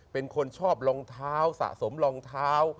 เป็นคนชอบรองเท้าสะสมรองเท้า